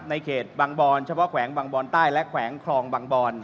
ในเขตบางบอนเฉพาะแขวงบางบอนใต้และแขวงคลองบางบอน